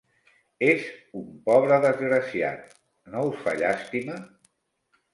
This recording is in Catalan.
És un pobre desgraciat: no us fa llàstima?